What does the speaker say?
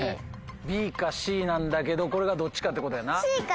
ＢかＣなんだけどこれがどっちかってことやな。